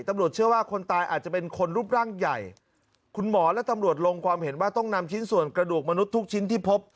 ตำรวจเชื่อว่าคนตายอาจจะเป็นคนรูปร่างใหญ่คุณหมอและตำรวจลงความเห็นว่าต้องนำชิ้นส่วนกระดูกมนุษย์ทุกชิ้นที่พบ